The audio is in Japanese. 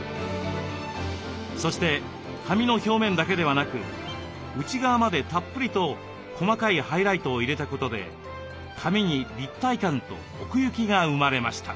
そして髪の表面だけでなく内側までたっぷりと細かいハイライトを入れたことで髪に立体感と奥行きが生まれました。